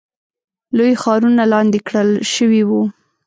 لوی ښارونه لاندې کړل شوي وو.